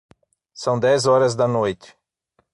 São dez horas da noite.